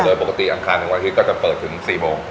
โดยปกติอังคารถึงวันอาทิตย์ก็จะเปิดถึง๔โมง